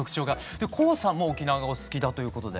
で航さんも離島がお好きだということで。